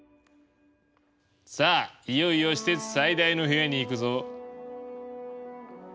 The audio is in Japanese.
さあいよいよ施設最大の部屋に行くぞ！